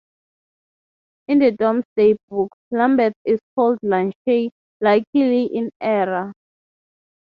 In the Domesday Book, Lambeth is called "Lanchei", likely in error.